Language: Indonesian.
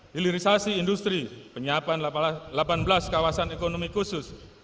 hilirisasi industri penyiapan delapan belas kawasan ekonomi khusus